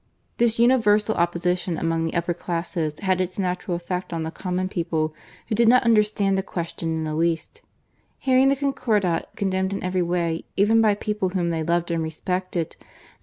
This universal opposition among the upper 136 GARCIA MORENO. classes had its natural effect on the common people ■ who did not understand the question in the least. Hearing the Concordat condemned in every way: even by people whom they loved and respected, they.